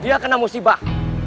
dia kena musibah